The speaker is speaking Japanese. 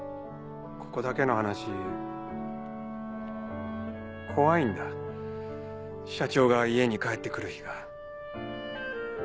ここだけの話怖いんだ社長が家に帰って来る日が。